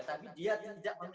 tapi dia tidak memiliki kompetensi